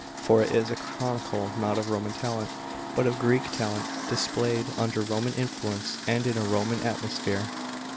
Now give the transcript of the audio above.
For it is a chronicle not of Roman talent, but of Greek talent displayed under Roman influence and in a Roman atmosphere.